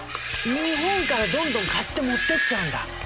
日本からどんどん買って持っていっちゃうんだ。